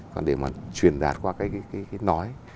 còn để mà truyền đạt qua cái nói